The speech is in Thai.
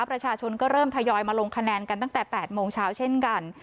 ประชาชนก็เริ่มทยอยมาลงคะแนนกันตั้งแต่๘โมงเช้าเช่นกัน